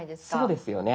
そうですよね。